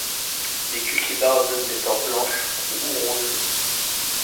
Des cultivars donnent des fleurs blanches ou roses.